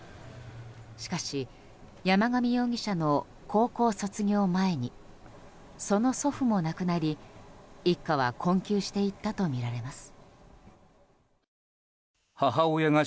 しかし山上容疑者の高校卒業前にその祖父も亡くなり一家は困窮していったとみられます。